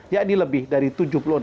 yakni lebih dari sepuluh orang